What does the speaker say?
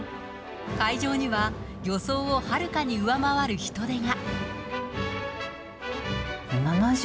会場には予想をはるかに上回る人出が。